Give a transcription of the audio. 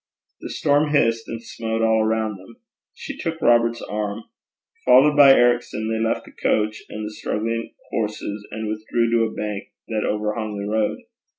The storm hissed and smote all around them. She took Robert's arm. Followed by Ericson, they left the coach and the struggling horses, and withdrew to a bank that overhung the road.